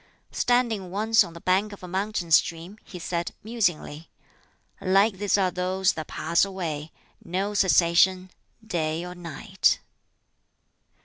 Standing once on the bank of a mountain stream, he said (musingly), "Like this are those that pass away no cessation, day or night!"